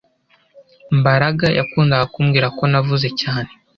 Mbaraga yakundaga kumbwira ko navuze cyane